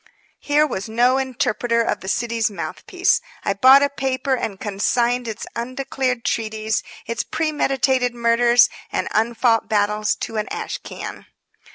Here was no interpreter of the city's mouthpiece. I bought a paper, and consigned its undeclared treaties, its premeditated murders and unfought battles to an ash can.